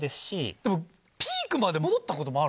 でもピークまで戻ったこともあるんですか？